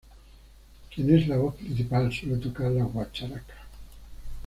Quien es la voz principal, suele tocar la guacharaca.